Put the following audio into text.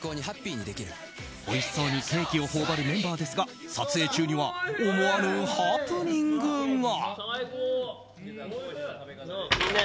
おいしそうにケーキを頬張るメンバーですが撮影中には、思わぬハプニングが。